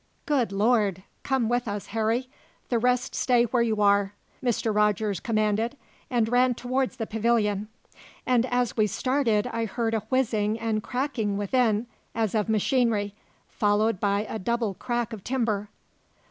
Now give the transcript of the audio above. "Good Lord! Come with us, Harry the rest stay where you are," Mr. Rogers commanded, and ran towards the pavilion; and as we started I heard a whizzing and cracking within, as of machinery, followed by a double crack of timber.